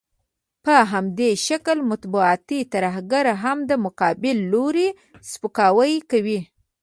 په همدې شکل مطبوعاتي ترهګر هم د مقابل لوري سپکاوی کوي.